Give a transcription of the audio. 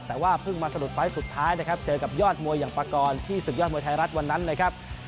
แต่ว่าเพิ่งมาสะดุดไฟล์สุดท้ายนะครับเจอกับยอดมวยอย่างปากรที่ศึกยอดมวยไทยรัฐวันนั้นนะครับ